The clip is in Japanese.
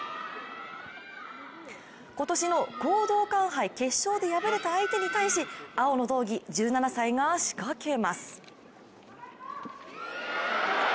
今年の講道館杯決勝で敗れた相手に対し青の道着、１７歳が仕掛けます。